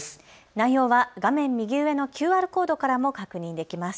内容は画面右上のＱＲコードからも確認できます。